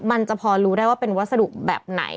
มันจะพอรู้ได้ว่าเป็นวัสดุแบบไหน